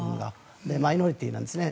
マイノリティーなんですね。